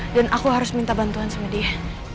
dan aku harus minta bantuan sama dia